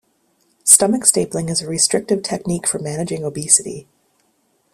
Stomach stapling is a restrictive technique for managing obesity.